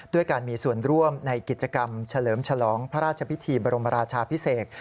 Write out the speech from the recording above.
ด้วยการมีส่วนร่วมในกิจกรรมเฉลิมฉลองพระราชพิธีบรมราชาพิเศษ